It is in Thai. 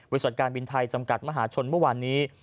จากการบินไทยจำกัดมหาชนเมื่อวานนี้